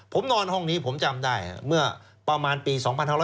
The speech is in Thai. ผมนอนห้องนี้ผมจำได้เมื่อประมาณปี๒๕๖๐